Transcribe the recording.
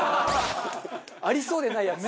ありそうでないやつ。